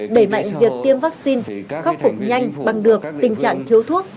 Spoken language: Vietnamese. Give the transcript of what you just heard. đẩy mạnh việc tiêm vaccine khắc phục nhanh bằng được tình trạng thiếu thuốc